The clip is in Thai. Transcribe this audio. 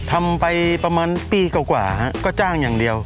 ทำไปประมาณปีกว่าฮะก็จ้างอย่างเดียว